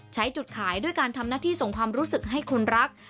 ใช้จุดขายด้วยการทำหน้าที่ส่งความรู้สึกให้คนรัก